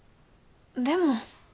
でも。